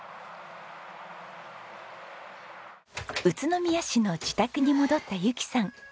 宇都宮市の自宅に戻った由紀さん。